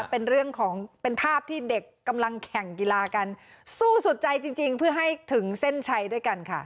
เป็นเรื่องของเป็นภาพที่เด็กกำลังแข่งกีฬากันสู้สุดใจจริงเพื่อให้ถึงเส้นชัยด้วยกันค่ะ